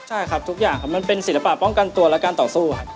ใช่ครับทุกอย่างครับมันเป็นศิลปะป้องกันตัวและการต่อสู้ครับ